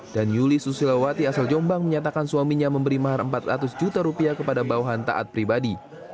dan yuli susilawati asal jombang menyatakan suaminya memberi mahar empat ratus juta rupiah kepada bawahan taat pribadi